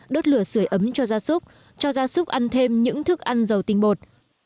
đốt lửa sửa ấm cho gia súc cho gia súc ăn thêm những thức ăn giàu tinh bột